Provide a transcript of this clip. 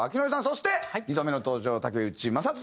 そして２度目の登場竹内將人さんです。